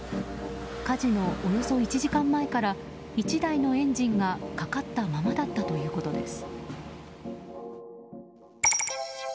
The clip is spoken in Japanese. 火事のおよそ１時間前から１台のエンジンがかかったままだったということです。